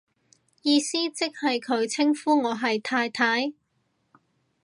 意思即係佢稱呼我係太太